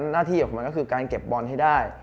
หน้าที่ของมันก็คือการเก็บบอลให้ได้